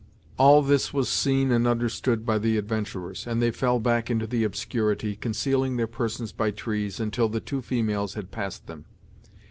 All this was seen and understood by the adventurers, and they fell back into the obscurity, concealing their persons by trees, until the two females had passed them.